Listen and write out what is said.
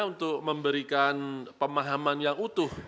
untuk memberikan pemahaman yang utuh